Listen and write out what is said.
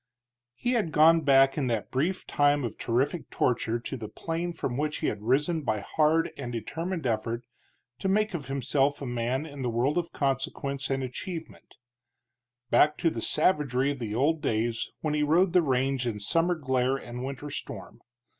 He had gone back in that brief time of terrific torture to the plane from which he had risen by hard and determined effort to make of himself a man in the world of consequence and achievement; back to the savagery of the old days when he rode the range in summer glare and winter storm.